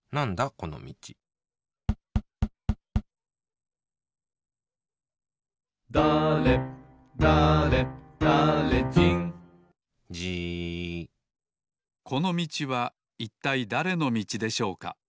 このみちはいったいだれのみちでしょうか？